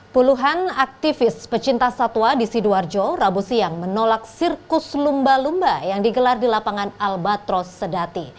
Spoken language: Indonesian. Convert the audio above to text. puluhan aktivis pecinta satwa di sidoarjo rabu siang menolak sirkus lumba lumba yang digelar di lapangan albatros sedati